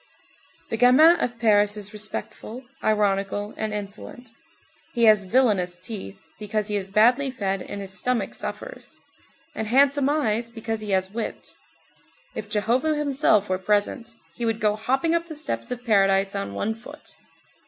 The gamin of Paris is respectful, ironical, and insolent. He has villainous teeth, because he is badly fed and his stomach suffers, and handsome eyes because he has wit. If Jehovah himself were present, he would go hopping up the steps of paradise on one foot.